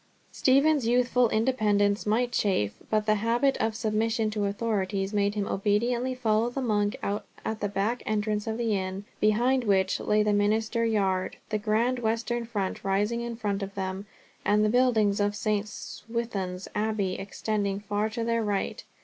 Stephen's youthful independence might chafe, but the habit of submission to authorities made him obediently follow the monk out at the back entrance of the inn, behind which lay the Minster yard, the grand western front rising in front of them, and the buildings of St. Swithun's Abbey extending far to their right.